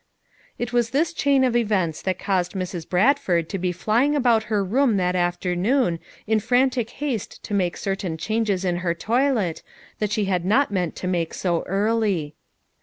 It was this chain of events that caused Mrs. Bradford to be flying about her room that after noon in frantic haste to make certain changes in her toilet, that she had not meant to make so early.